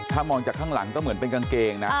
ถ้ามองจากข้างหลังก็เหมือนเป็นกางเกงนะ